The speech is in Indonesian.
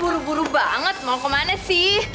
buru buru banget mau kemana sih